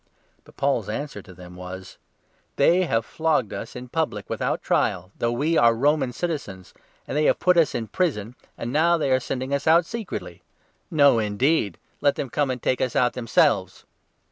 But Paul's answer to them was : 37 "They have flogged us in public without trial, though we are Roman citizens, and they have put us in prison, and now they are for sending us out secretly ! No, indeed ! Let them come and take us but themselves."